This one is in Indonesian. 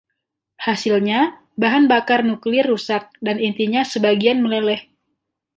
Hasilnya, bahan bakar nuklir rusak, dan intinya sebagian meleleh.